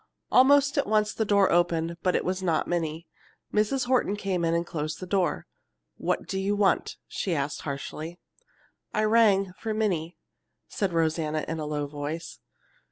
Almost at once the door opened; but it was not Minnie. Mrs. Horton came in and closed the door. "What do you want?" she asked harshly. "I rang for Minnie," said Rosanna in a low voice.